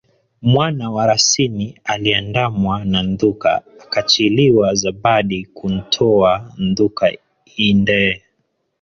Mwana wa rasini aliandamwa na ndhuka akachiliwa zabadi kuntoa ndhuka indee.